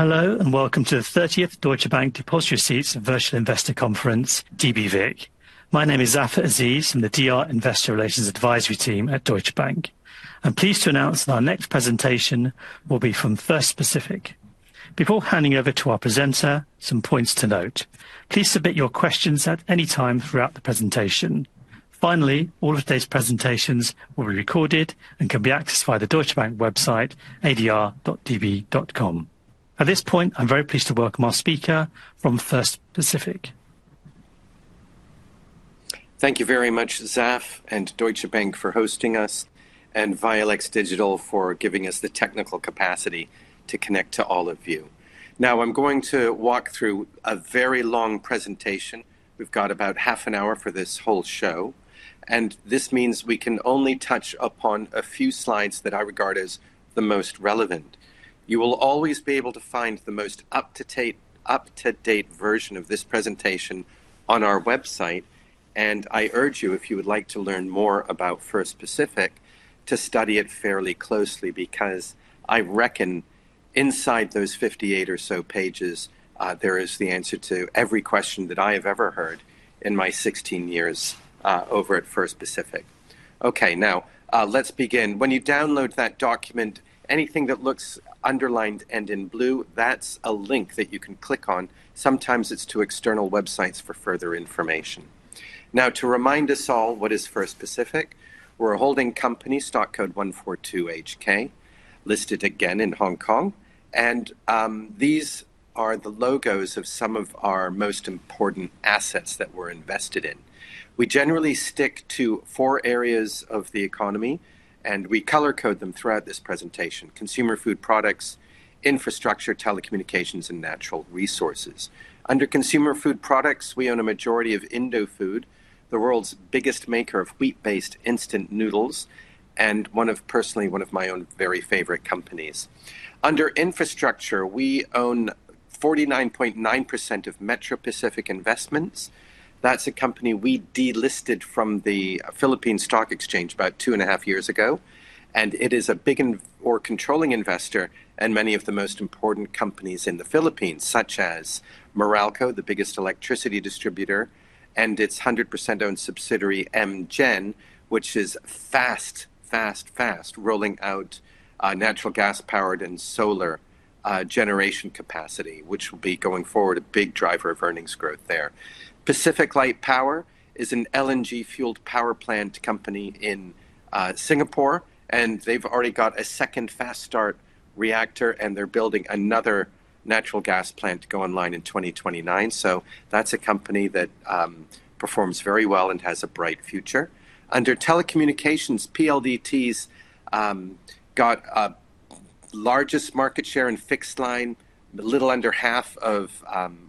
Hello, and welcome to the thirtieth Deutsche Bank Depositary Receipts and Virtual Investor Conference, DBVIC. My name is Zafar Aziz from the DR Investor Relations Advisory Team at Deutsche Bank. I'm pleased to announce that our next presentation will be from First Pacific. Before handing over to our presenter, some points to note. Please submit your questions at any time throughout the presentation. Finally, all of today's presentations will be recorded and can be accessed via the Deutsche Bank website, adr.db.com. At this point, I'm very pleased to welcome our speaker from First Pacific. Thank you very much, Zaf, and Deutsche Bank for hosting us, and Violex Digital for giving us the technical capacity to connect to all of you. I'm going to walk through a very long presentation. We've got about half an hour for this whole show, this means we can only touch upon a few slides that I regard as the most relevant. You will always be able to find the most up-to-date version of this presentation on our website, I urge you, if you would like to learn more about First Pacific, to study it fairly closely because I reckon inside those 58 or so pages, there is the answer to every question that I have ever heard in my 16 years over at First Pacific. Okay. Let's begin. When you download that document, anything that looks underlined and in blue, that's a link that you can click on. Sometimes it's to external websites for further information. To remind us all what is First Pacific, we're a holding company, stock code 142 HK, listed again in Hong Kong. These are the logos of some of our most important assets that we're invested in. We generally stick to four areas of the economy, and we color-code them throughout this presentation: consumer food products, infrastructure, telecommunications, and natural resources. Under consumer food products, we own a majority of Indofood, the world's biggest maker of wheat-based instant noodles, personally, one of my own very favorite companies. Under infrastructure, we own 49.9% of Metro Pacific Investments. That's a company we delisted from the Philippine Stock Exchange about two and a half years ago, and it is a big or controlling investor in many of the most important companies in the Philippines, such as Meralco, the biggest electricity distributor, and its 100% owned subsidiary, MGen, which is fast rolling out natural gas powered and solar generation capacity, which will be going forward a big driver of earnings growth there. PacificLight Power is an LNG-fueled power plant company in Singapore, and they've already got a second fast start reactor, and they're building another natural gas plant to go online in 2029. That's a company that performs very well and has a bright future. Under telecommunications, PLDT's got largest market share in fixed line, little under half of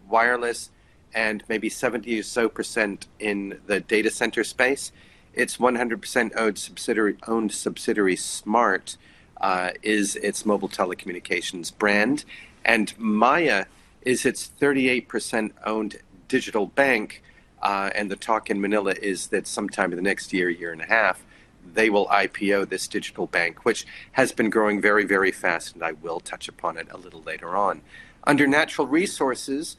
wireless and maybe 70% or so in the data center space. Its 100% owned subsidiary Smart is its mobile telecommunications brand, and Maya is its 38% owned digital bank. The talk in Manila is that sometime in the next year and a half, they will IPO this digital bank, which has been growing very, very fast, and I will touch upon it a little later on. Under natural resources,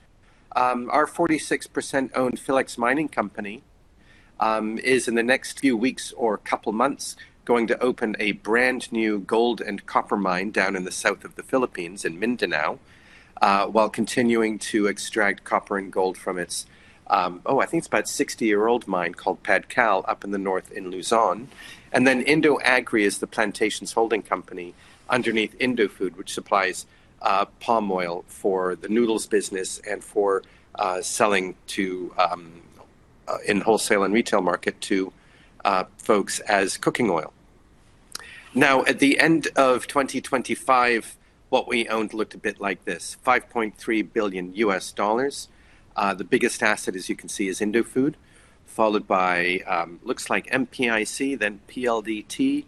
our 46% owned Philex Mining Corporation is in the next few weeks or couple months going to open a brand-new gold and copper mine down in the south of the Philippines in Mindanao, while continuing to extract copper and gold from its 60-year-old mine called Padcal up in the north in Luzon. IndoAgri is the plantations holding company underneath Indofood, which supplies palm oil for the instant noodles business and for selling in wholesale and retail market to folks as cooking oil. At the end of 2025, what we owned looked a bit like this, $5.3 billion. The biggest asset, as you can see, is Indofood, followed by looks like MPIC, then PLDT,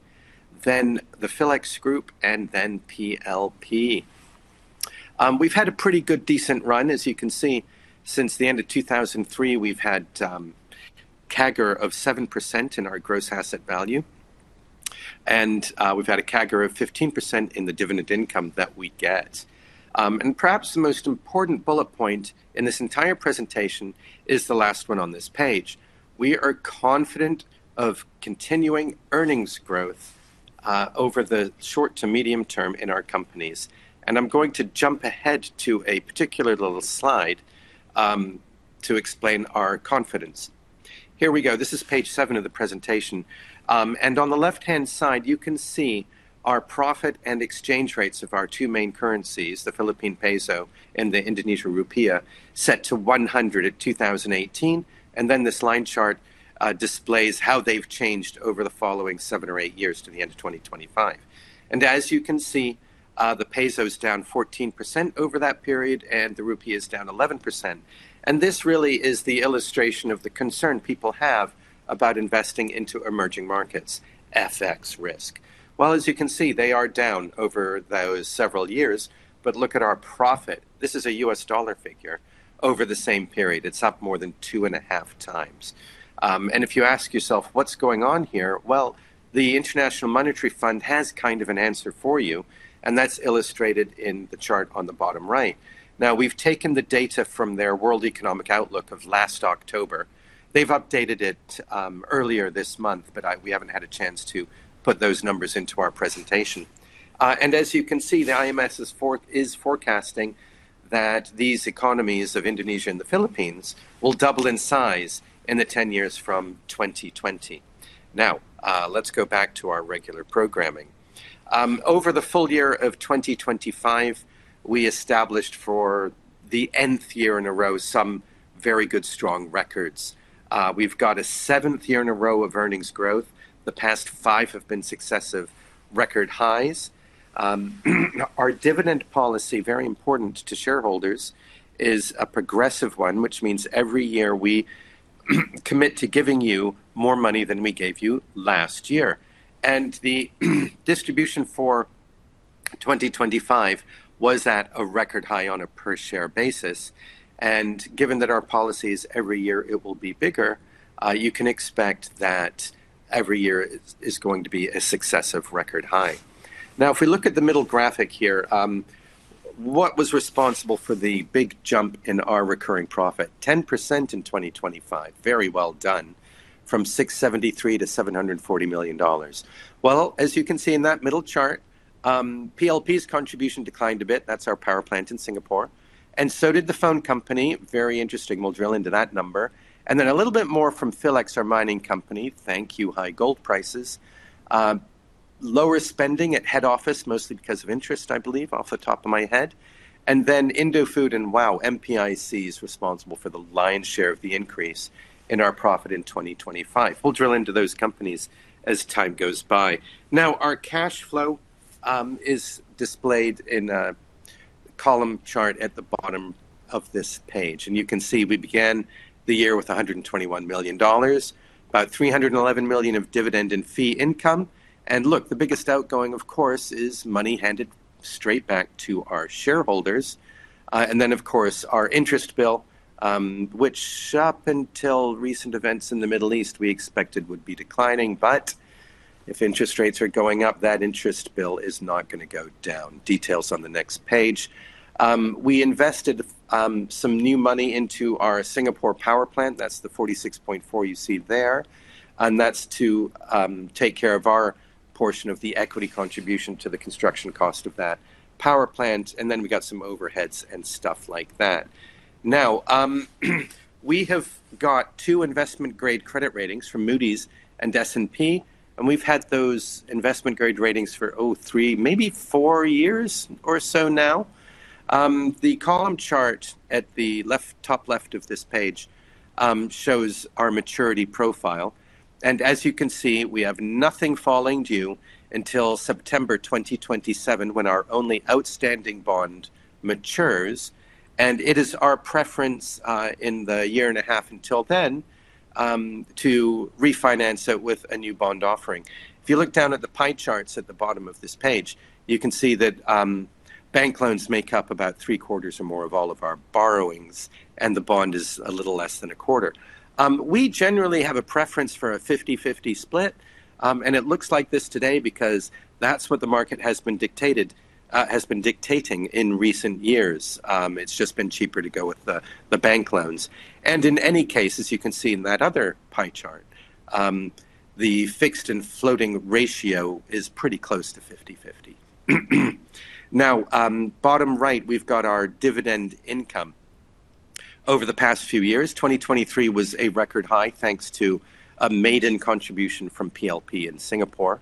then the Philex Group, and then PLP. We've had a pretty good decent run, as you can see. Since the end of 2003, we've had CAGR of 7% in our gross asset value, and we've had a CAGR of 15% in the dividend income that we get. Perhaps the most important bullet point in this entire presentation is the last one on this page. We are confident of continuing earnings growth over the short to medium term in our companies. I'm going to jump ahead to a particular little slide to explain our confidence. Here we go. This is page seven of the presentation. On the left-hand side, you can see our profit and exchange rates of our two main currencies, the Philippine peso and the Indonesia rupiah, set to 100 in 2018. This line chart displays how they've changed over the following seven or eight years to the end of 2025. As you can see, the peso's down 14% over that period, and the rupee is down 11%. This really is the illustration of the concern people have about investing into emerging markets, FX risk. As you can see, they are down over those several years, but look at our profit. This is a U.S. dollar figure over the same period. It's up more than 2.5x. If you ask yourself, "What's going on here?" The International Monetary Fund has kind of an answer for you, and that's illustrated in the chart on the bottom right. We've taken the data from their World Economic Outlook of last October. They've updated it earlier this month. We haven't had a chance to put those numbers into our presentation. As you can see, the IMF is forecasting that these economies of Indonesia and the Philippines will double in size in the 10 years from 2020. Let's go back to our regular programming. Over the full year of 2025, we established for the nth year in a row some very good strong records. We've got a 7th year in a row of earnings growth. The past five have been successive record highs. Our dividend policy, very important to shareholders, is a progressive one, which means every year we commit to giving you more money than we gave you last year. The distribution for 2025 was at a record high on a per share basis. Given that our policy is every year it will be bigger, you can expect that every year is going to be a successive record high. If we look at the middle graphic here, what was responsible for the big jump in our recurring profit? 10% in 2025. Very well done. From $673 million to $740 million. As you can see in that middle chart, PLP's contribution declined a bit. That's our power plant in Singapore, and so did the phone company. Very interesting. We'll drill into that number. Then a little bit more from Philex, our mining company. Thank you, high gold prices. Lower spending at head office, mostly because of interest, I believe, off the top of my head. Indofood and WOW, MPIC is responsible for the lion's share of the increase in our profit in 2025. We'll drill into those companies as time goes by. Our cash flow is displayed in a column chart at the bottom of this page. You can see we began the year with $121 million, about $311 million of dividend and fee income. Look, the biggest outgoing, of course, is money handed straight back to our shareholders. Of course, our interest bill, which up until recent events in the Middle East, we expected would be declining. If interest rates are going up, that interest bill is not gonna go down. Details on the next page. We invested some new money into our Singapore power plant. That's the 46.4 you see there. That's to take care of our portion of the equity contribution to the construction cost of that power plant. Then we got some overheads and stuff like that. Now, we have got two investment-grade credit ratings from Moody's and S&P, and we've had those investment-grade ratings for three, maybe four years or so now. The column chart at the top left of this page shows our maturity profile. As you can see, we have nothing falling due until September 2027, when our only outstanding bond matures. It is our preference, in the year and a half until then, to refinance it with a new bond offering. If you look down at the pie charts at the bottom of this page, you can see that bank loans make up about three-quarters or more of all of our borrowings, and the bond is a little less than a quarter. We generally have a preference for a 50-50 split, and it looks like this today because that's what the market has been dictating in recent years. It's just been cheaper to go with the bank loans. In any case, as you can see in that other pie chart, the fixed and floating ratio is pretty close to 50-50. Now, bottom right, we've got our dividend income. Over the past few years, 2023 was a record high, thanks to a maiden contribution from PLP in Singapore.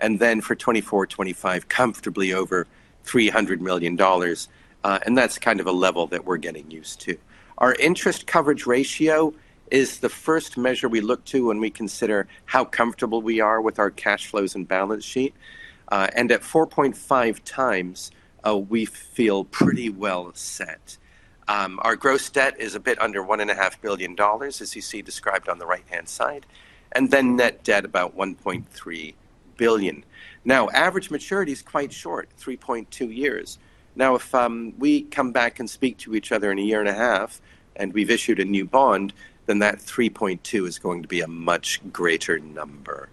For 2024, 2025, comfortably over $300 million, and that's kind of a level that we're getting used to. Our interest coverage ratio is the first measure we look to when we consider how comfortable we are with our cash flows and balance sheet. At 4.5x, we feel pretty well set. Our gross debt is a bit under $1.5 billion, as you see described on the right-hand side. Net debt, about $1.3 billion. Average maturity is quite short, 3.2 years. If we come back and speak to each other in a year and a half, and we've issued a new bond, then that 3.2 years is going to be a much greater number.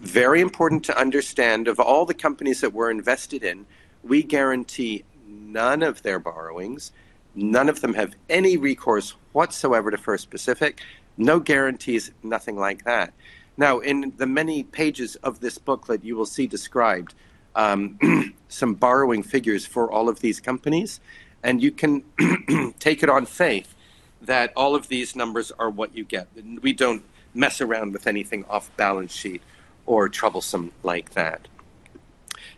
Very important to understand, of all the companies that we're invested in, we guarantee none of their borrowings. None of them have any recourse whatsoever to First Pacific. No guarantees, nothing like that. In the many pages of this booklet, you will see described some borrowing figures for all of these companies, and you can take it on faith that all of these numbers are what you get. We don't mess around with anything off balance sheet or troublesome like that.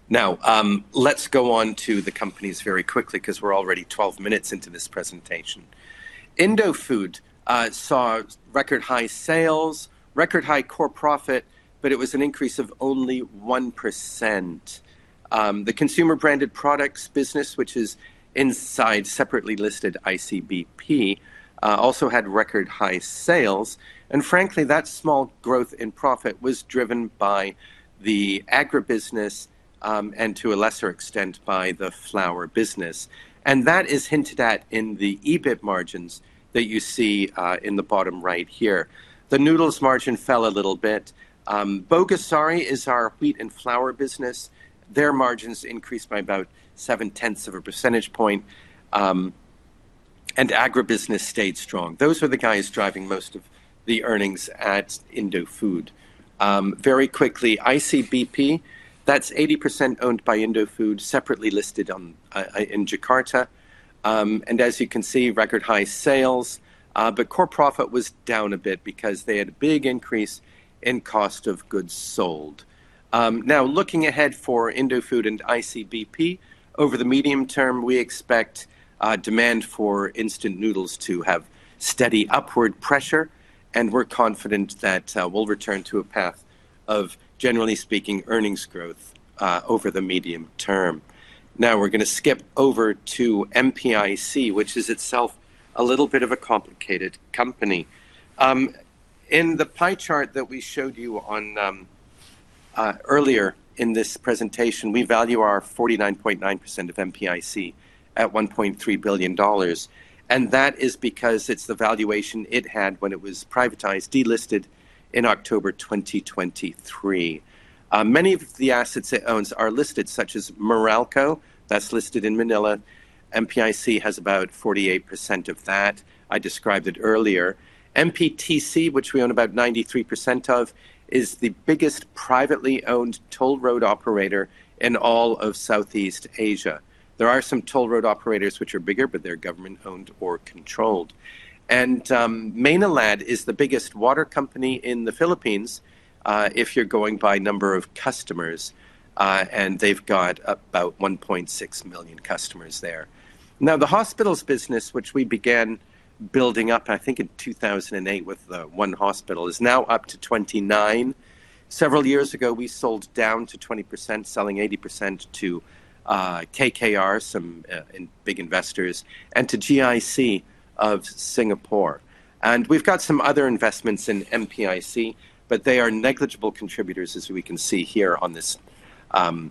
Let's go on to the companies very quickly because we're already 12 minutes into this presentation. Indofood saw record high sales, record high core profit, it was an increase of only 1%. The consumer-branded products business, which is inside separately listed ICBP, also had record high sales. Frankly, that small growth in profit was driven by the agribusiness and to a lesser extent, by the flour business. That is hinted at in the EBIT margins that you see in the bottom right here. The noodles margin fell a little bit. Bogasari is our wheat and flour business. Their margins increased by about 0.7 percentage point. Agribusiness stayed strong. Those were the guys driving most of the earnings at Indofood. Very quickly, ICBP, that is 80% owned by Indofood, separately listed in Jakarta. As you can see, record high sales. Core profit was down a bit because they had a big increase in cost of goods sold. Looking ahead for Indofood and ICBP, over the medium term we expect demand for instant noodles to have steady upward pressure and we're confident that we'll return to a path of, generally speaking, earnings growth over the medium term. We're gonna skip over to MPIC, which is itself a little bit of a complicated company. In the pie chart that we showed you on earlier in this presentation, we value our 49.9% of MPIC at $1.3 billion and that is because it's the valuation it had when it was privatized, delisted in October 2023. Many of the assets it owns are listed such as Meralco, that's listed in Manila. MPIC has about 48% of that. I described it earlier. MPTC, which we own about 93% of, is the biggest privately owned toll road operator in all of Southeast Asia. There are some toll road operators which are bigger, but they're government owned or controlled. Maynilad is the biggest water company in the Philippines if you're going by number of customers. They've got about 1.6 million customers there. The hospitals business which we began building up I think in 2008 with one hospital is now up to 29. Several years ago we sold down to 20%, selling 80% to KKR, some big investors, and to GIC of Singapore. We've got some other investments in MPIC, but they are negligible contributors as we can see here on this, on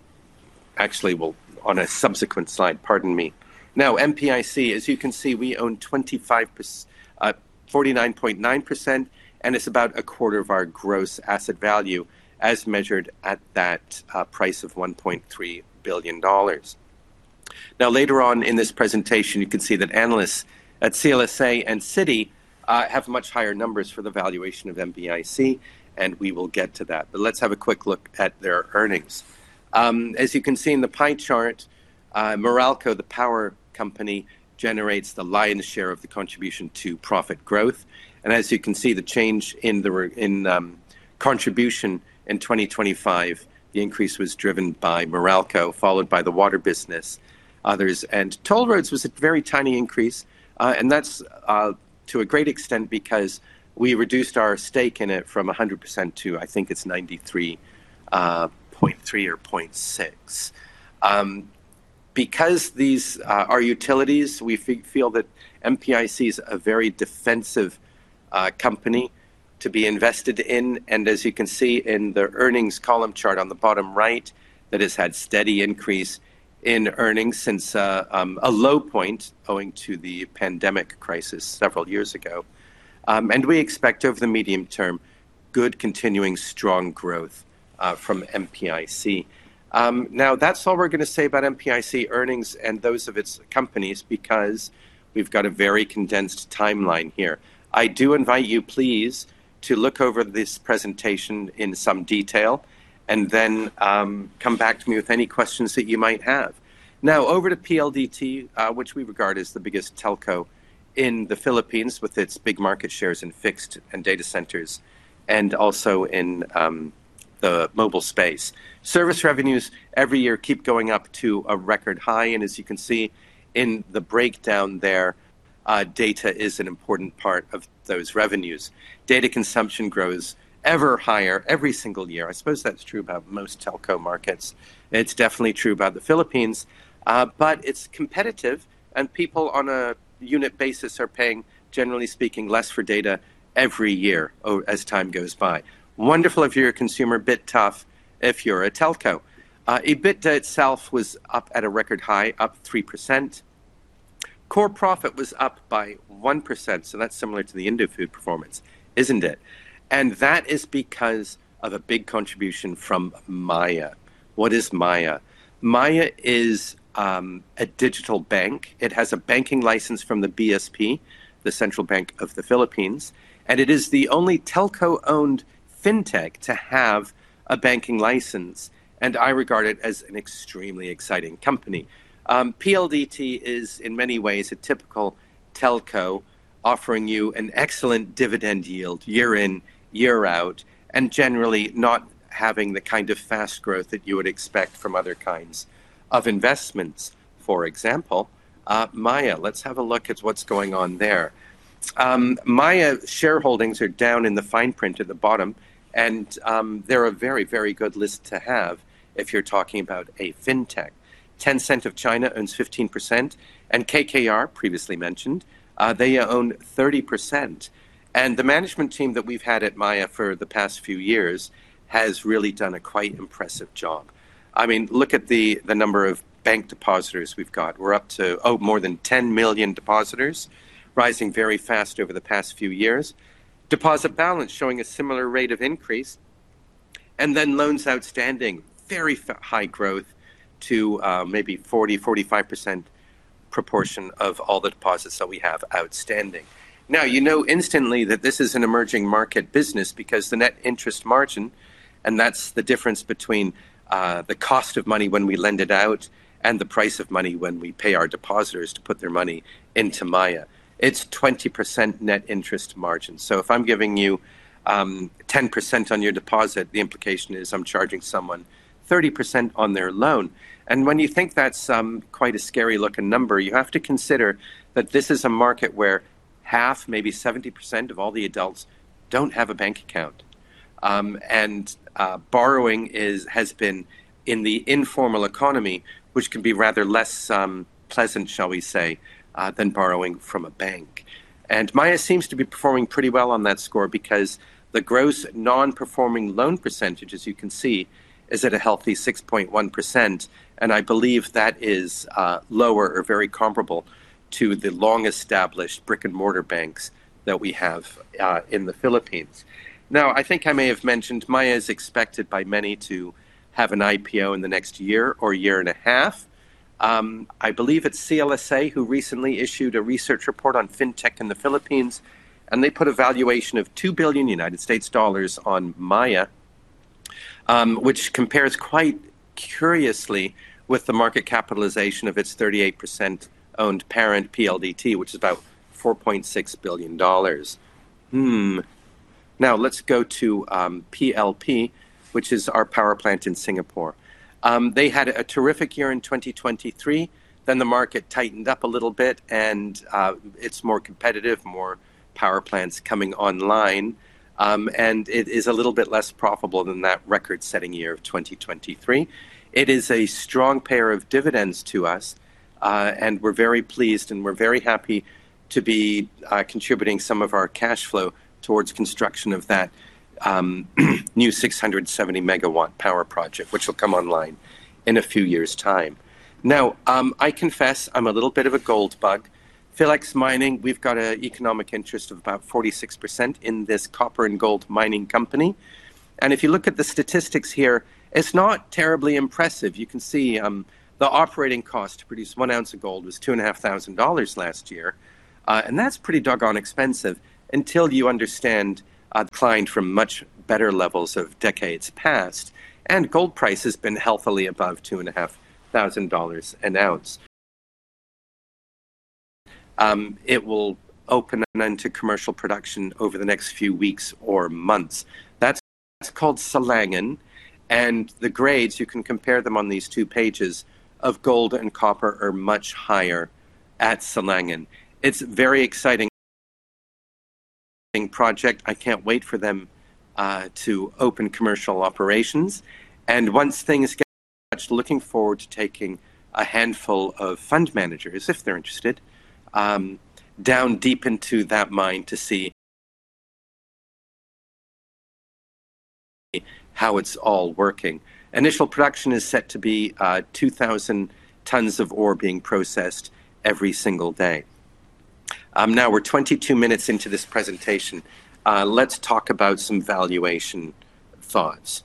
a subsequent slide, pardon me. MPIC, as you can see, we own 49.9% and it's about a quarter of our gross asset value as measured at that price of $1.3 billion. Now later on in this presentation you can see that analysts at CLSA and Citi have much higher numbers for the valuation of MPIC and we will get to that. Let's have a quick look at their earnings. As you can see in the pie chart, Meralco, the power company, generates the lion's share of the contribution to profit growth and as you can see the change in the contribution in 2025, the increase was driven by Meralco followed by the water business, others. Toll roads was a very tiny increase, and that's to a great extent because we reduced our stake in it from 100% to I think it's 93.3% or 93.6%. Because these are utilities we feel that MPIC is a very defensive company to be invested in and as you can see in the earnings column chart on the bottom right that it's had steady increase in earnings since a low point owing to the pandemic crisis several years ago. And we expect over the medium term good continuing strong growth from MPIC. Now that's all we're gonna say about MPIC earnings and those of its companies because we've got a very condensed timeline here. I do invite you please to look over this presentation in some detail and then come back to me with any questions that you might have. Now over to PLDT, which we regard as the biggest telco in the Philippines with its big market shares in fixed and data centers and also in the mobile space. Service revenues every year keep going up to a record high and as you can see in the breakdown there, data is an important part of those revenues. Data consumption grows ever higher every single year. I suppose that's true about most telco markets, and it's definitely true about the Philippines. But it's competitive and people on a unit basis are paying, generally speaking, less for data every year as time goes by. Wonderful if you're a consumer, bit tough if you're a telco. EBITDA itself was up at a record high, up 3%. Core profit was up by 1%, so that's similar to the Indofood performance, isn't it? That is because of a big contribution from Maya. What is Maya? Maya is a digital bank. It has a banking license from the BSP, the Central Bank of the Philippines, and it is the only telco-owned fintech to have a banking license and I regard it as an extremely exciting company. PLDT is in many ways a typical telco offering you an excellent dividend yield year in, year out, and generally not having the kind of fast growth that you would expect from other kinds of investments. For example, Maya. Let's have a look at what's going on there. Maya shareholdings are down in the fine print at the bottom and they're a very, very good list to have if you're talking about a fintech. Tencent of China owns 15% and KKR previously mentioned, they own 30%. The management team that we've had at Maya for the past few years has really done a quite impressive job. I mean, look at the number of bank depositors we've got. We're up to more than 10 million depositors rising very fast over the past few years. Deposit balance showing a similar rate of increase. Loans outstanding, very high growth to maybe 40%-45% proportion of all the deposits that we have outstanding. Now, you know instantly that this is an emerging market business because the net interest margin, and that's the difference between the cost of money when we lend it out and the price of money when we pay our depositors to put their money into Maya. It's 20% net interest margin. If I'm giving you 10% on your deposit, the implication is I'm charging someone 30% on their loan. When you think that's quite a scary-looking number, you have to consider that this is a market where half, maybe 70% of all the adults don't have a bank account. Borrowing is, has been in the informal economy, which can be rather less pleasant, shall we say, than borrowing from a bank. Maya seems to be performing pretty well on that score because the gross non-performing loan percentage, as you can see, is at a healthy 6.1%, and I believe that is lower or very comparable to the long-established brick-and-mortar banks that we have in the Philippines. I think I may have mentioned Maya is expected by many to have an IPO in the next year or year and a half. I believe it's CLSA who recently issued a research report on fintech in the Philippines, and they put a valuation of $2 billion on Maya, which compares quite curiously with the market capitalization of its 38% owned parent PLDT, which is about $4.6 billion. Let's go to PLP, which is our power plant in Singapore. They had a terrific year in 2023, then the market tightened up a little bit and it's more competitive, more power plants coming online, and it is a little bit less profitable than that record-setting year of 2023. It is a strong payer of dividends to us, and we're very pleased, and we're very happy to be contributing some of our cash flow towards construction of that new 670 MW power project, which will come online in a few years' time. I confess I'm a little bit of a gold bug. Philex Mining, we've got an economic interest of about 46% in this copper and gold mining company. If you look at the statistics here, it's not terribly impressive. You can see, the operating cost to produce 1 ounce of gold was two and a half thousand dollars last year. That's pretty doggone expensive until you understand declined from much better levels of decades past. Gold price has been healthily above two and a half thousand dollars an ounce. It will open into commercial production over the next few weeks or months. That's called Silangan. The grades, you can compare them on these two pages, of gold and copper are much higher at Silangan. It's a very exciting project. I can't wait for them to open commercial operations. Once things get matched, looking forward to taking a handful of fund managers, if they're interested, down deep into that mine to see how it's all working. Initial production is set to be 2,000 tons of ore being processed every single day. Now we're 22 minutes into this presentation. Let's talk about some valuation thoughts.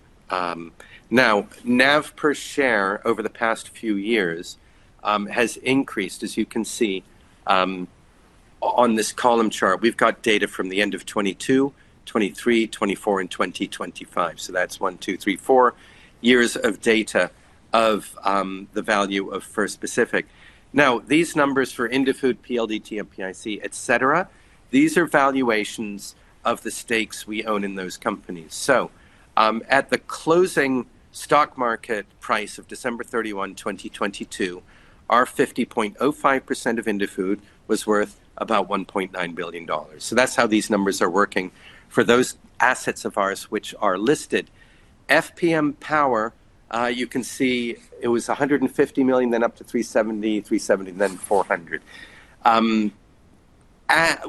Now NAV per share over the past few years has increased, as you can see, on this column chart. We've got data from the end of 2022, 2023, 2024, and 2025. That's one, two, three, four years of data of the value of First Pacific. These numbers for Indofood, PLDT, MPIC, et cetera, these are valuations of the stakes we own in those companies. At the closing stock market price of December 31, 2022, our 50.05% of Indofood was worth about $1.9 billion. That's how these numbers are working for those assets of ours which are listed. FPM Power, you can see it was $150 million, then up to $370, $370, and then $400.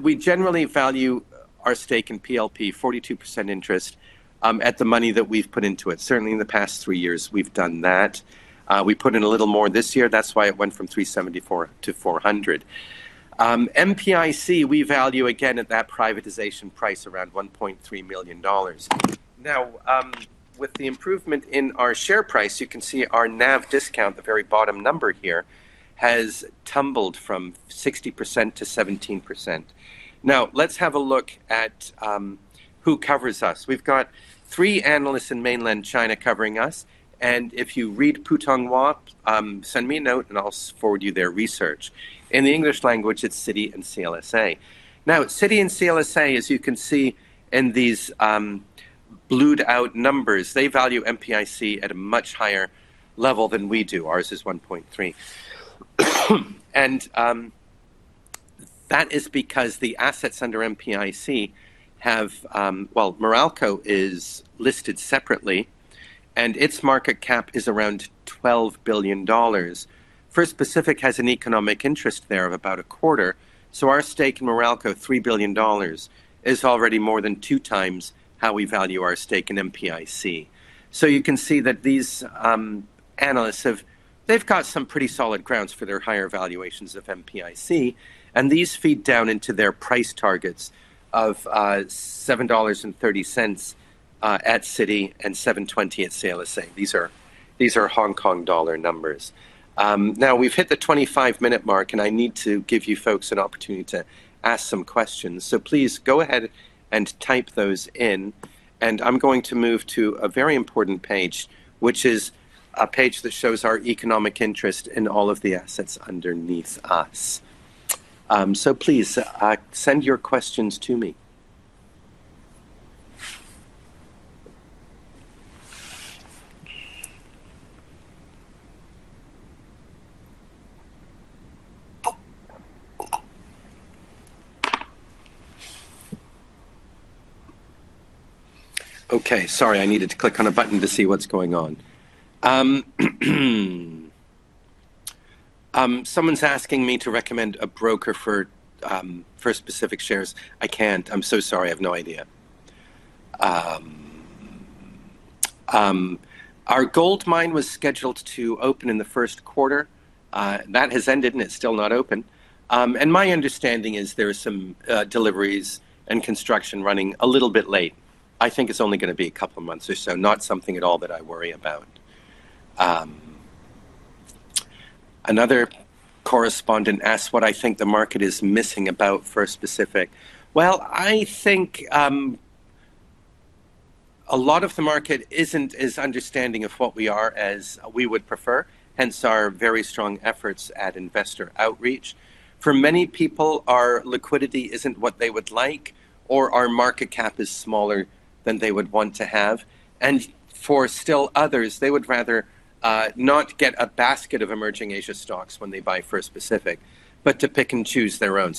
We generally value our stake in PLP, 42% interest, at the money that we've put into it. Certainly in the past three years, we've done that. We put in a little more this year. That's why it went from 374 to 400. MPIC, we value again at that privatization price around $1.3 million. With the improvement in our share price, you can see our NAV discount, the very bottom number here, has tumbled from 60% to 17%. Let's have a look at who covers us. We've got three analysts in mainland China covering us, and if you read Putonghua, send me a note, and I'll forward you their research. In the English language, it's Citi and CLSA. Citi and CLSA, as you can see in these blued-out numbers, they value MPIC at a much higher level than we do. Ours is $1.3. That is because the assets under MPIC, well, Meralco is listed separately, and its market cap is around $12 billion. First Pacific has an economic interest there of about a quarter. Our stake in Meralco, 3 billion dollars, is already more than two times how we value our stake in MPIC. You can see that these analysts they've got some pretty solid grounds for their higher valuations of MPIC, and these feed down into their price targets of 7.30 dollars at Citi and 7.20 at CLSA. These are Hong Kong dollar numbers. Now we've hit the 25-minute mark, and I need to give you folks an opportunity to ask some questions. Please go ahead and type those in, and I'm going to move to a very important page, which is a page that shows our economic interest in all of the assets underneath us. Please send your questions to me. Okay, sorry, I needed to click on a button to see what's going on. Someone's asking me to recommend a broker for First Pacific shares. I can't. I'm so sorry. I have no idea. Our gold mine was scheduled to open in the first quarter. That has ended, it's still not open. My understanding is there are some deliveries and construction running a little bit late. I think it's only gonna be a couple of months or so, not something at all that I worry about. Another correspondent asks what I think the market is missing about First Pacific. Well, I think a lot of the market isn't as understanding of what we are as we would prefer, hence our very strong efforts at investor outreach. For many people, our liquidity isn't what they would like. Our market cap is smaller than they would want to have. For still others, they would rather not get a basket of emerging Asia stocks when they buy First Pacific, but to pick and choose their own.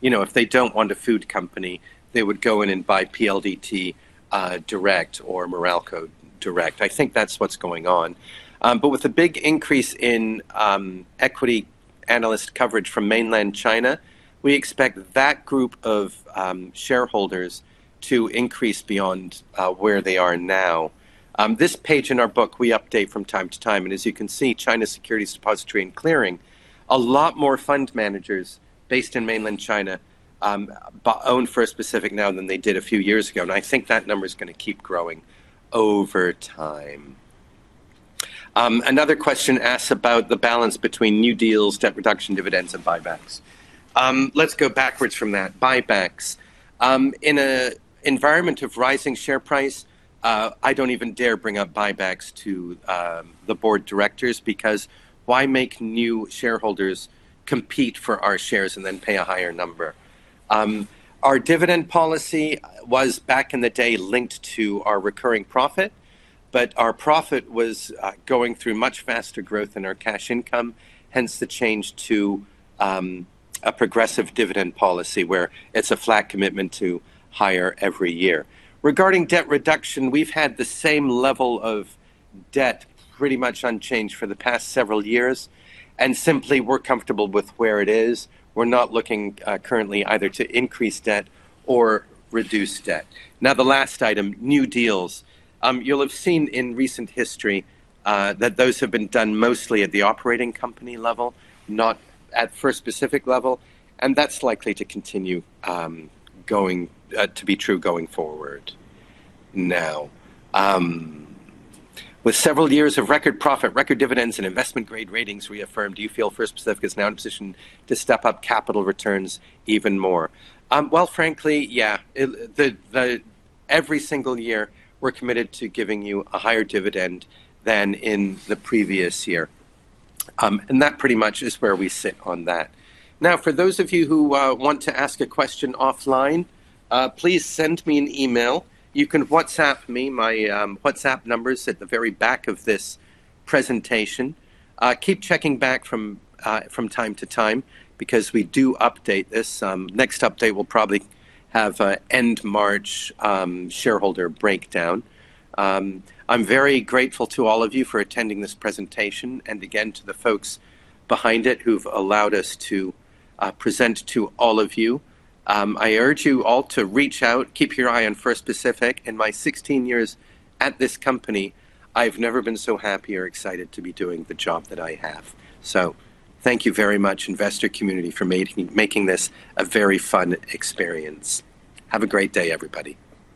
You know, if they don't want a food company, they would go in and buy PLDT direct or Meralco direct. I think that's what's going on. With a big increase in equity analyst coverage from mainland China, we expect that group of shareholders to increase beyond where they are now. This page in our book we update from time to time. As you can see, China Securities Depository and Clearing Corporation, a lot more fund managers based in mainland China, own First Pacific now than they did a few years ago. I think that number's gonna keep growing over time. Another question asks about the balance between new deals, debt reduction, dividends, and buybacks. Let's go backwards from that. Buybacks. In an environment of rising share price, I don't even dare bring up buybacks to the board of directors because why make new shareholders compete for our shares and then pay a higher number? Our dividend policy was, back in the day, linked to our recurring profit, but our profit was going through much faster growth in our cash income, hence the change to a progressive dividend policy where it's a flat commitment to higher every year. Regarding debt reduction, we've had the same level of debt pretty much unchanged for the past several years. Simply we're comfortable with where it is. We're not looking currently either to increase debt or reduce debt. The last item, new deals. You'll have seen in recent history that those have been done mostly at the operating company level, not at First Pacific level, and that's likely to continue to be true going forward. With several years of record profit, record dividends, and investment grade ratings reaffirmed, do you feel First Pacific is now in position to step up capital returns even more? Well, frankly, yeah. Every single year we're committed to giving you a higher dividend than in the previous year. That pretty much is where we sit on that. For those of you who want to ask a question offline, please send me an email. You can WhatsApp me. My WhatsApp number is at the very back of this presentation. Keep checking back from time to time because we do update this. Next update we'll probably have an end-March shareholder breakdown. I'm very grateful to all of you for attending this presentation and again to the folks behind it who've allowed us to present to all of you. I urge you all to reach out, keep your eye on First Pacific. In my 16 years at this company, I've never been so happy or excited to be doing the job that I have. Thank you very much, investor community, for making this a very fun experience. Have a great day, everybody.